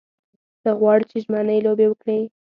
ته غواړې چې ژمنۍ لوبې وکړې.